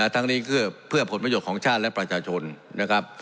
ทั้งนี้เพื่อผลประโยชน์ของชาติและประชาชนนะครับ